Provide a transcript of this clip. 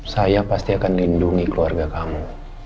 saya pasti akan lindungi keluarga kamu